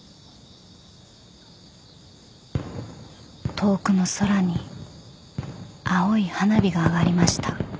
・［遠くの空に青い花火が上がりました］